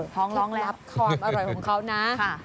พร้อมร้องรับความอร่อยของเขานะค่ะ